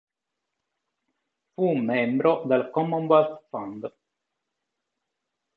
Fu membro del Commonwealth Fund.